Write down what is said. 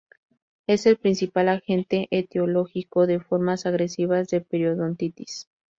Es el principal agente etiológico de formas agresivas de periodontitis.